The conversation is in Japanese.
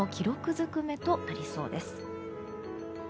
尽くめとなりそうです。